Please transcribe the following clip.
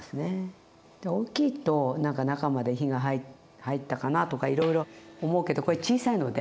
大きいと何か中まで火が入ったかなとかいろいろ思うけどこれ小さいので。